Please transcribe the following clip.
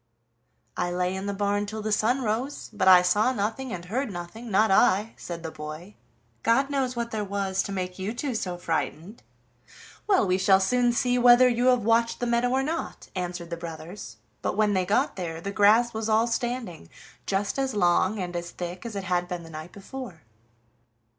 "I lay in the barn till the sun rose, but I saw nothing and heard nothing, not I," said the boy. "God knows what there was to make you two so frightened." "Well, we shall soon see whether you have watched the meadow or not," answered the brothers, but when they got there the grass was all standing just as long and as thick as it had been the night before.